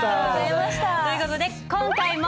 という事で今回も。